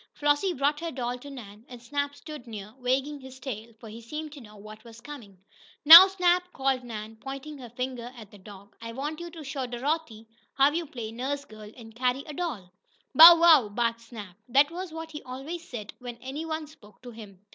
Flossie brought her doll to Nan, and Snap stood near, wagging his tail, for he seemed to know what was coming. "Now, Snap," said Nan, pointing her finger at the dog, "I want you to show Dorothy how you play nurse girl, and carry a doll." "Bow wow!" barked Snap. That was what he always said when any one spoke to him.